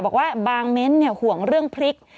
บอกว่าบางเม้นต์ห่วงเรื่องพริก